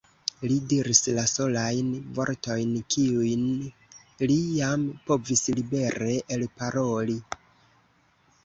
Li diris la solajn vortojn, kiujn li jam povis libere elparoli.